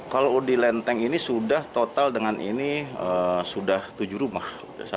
kalau di lenteng ini sudah total dengan ini sudah tujuh rumah